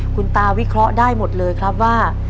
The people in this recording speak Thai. คุณตาวิเคราะห์ได้หมดเลยครับว่า